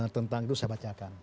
tentang itu saya bacakan